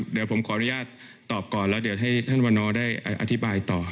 เดี๋ยวผมขออนุญาตตอบก่อนแล้วเดี๋ยวให้ท่านวันนอได้อธิบายต่อ